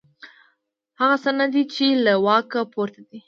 هغه څه نه دي چې له واک پورته دي.